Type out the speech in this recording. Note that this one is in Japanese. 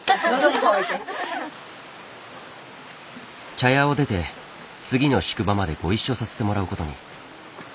茶屋を出て次の宿場までご一緒させてもらうことに。